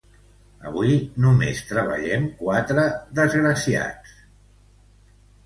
Avui només treballem quatre desgraciadets i desgraciadetes